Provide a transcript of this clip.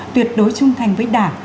tuyệt đối trung thành với đảng